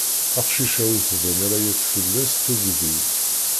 Aqcic-a ur tban ara yakk fell-as tugdi.